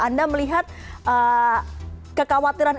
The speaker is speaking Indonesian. anda melihat kekhawatiran